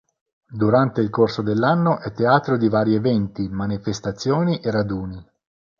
Durante il corso dell'anno è teatro di vari eventi, manifestazioni e raduni.